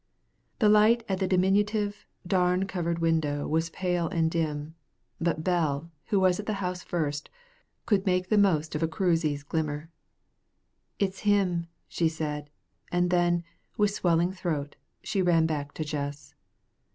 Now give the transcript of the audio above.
The light at the diminutive, darn covered window was pale and dim, but Bell, who was at the house first, could make the most of a cruizey's glimmer. "It's him," she said; and then, with swelling throat, she ran back to Jess.